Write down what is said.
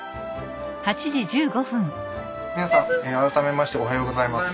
皆さん改めましておはようございます。